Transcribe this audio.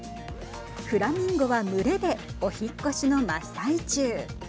フラミンゴは群れでお引っ越しの真っ最中。